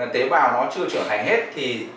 tế bào nó chưa trưởng thành hết thì